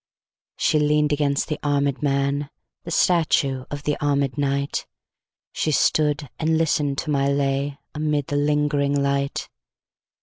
She lean'd against the armèd man, The statue of the armèd knight; She stood and listen'd to my lay, Amid the lingering light.